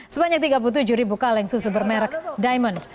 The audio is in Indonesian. sebanyak tiga puluh tujuh ribu kaleng susu bermerek diamond